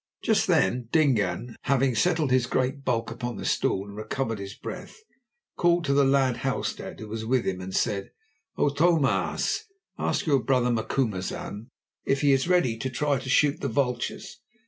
Just then Dingaan, having settled his great bulk upon the stool and recovered his breath, called to the lad Halstead, who was with him, and said: "O Tho maas, ask your brother, Macumazahn, if he is ready to try to shoot the vultures.